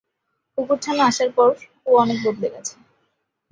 কুকুরছানা আসার পর ও অনেক বদলে গেছে।